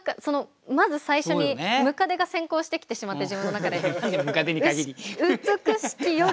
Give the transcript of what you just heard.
まず最初にムカデが先行してきてしまって自分の中で。